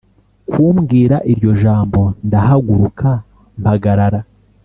Kumbwira iryo jambo ndahaguruka mpagarara